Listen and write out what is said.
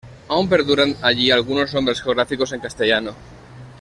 Aún perduran allí algunos nombres geográficos en castellano.